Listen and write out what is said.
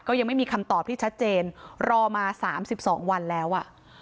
ยังไม่มีคำตอบที่ชัดเจนรอมา๓๒วันแล้วอ่ะ